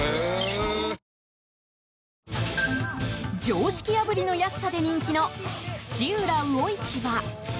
常識破りの安さで人気の土浦魚市場。